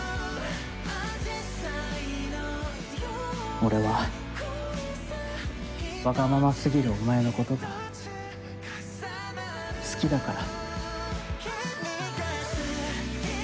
俺はわがまま過ぎるお前のことが好きだから。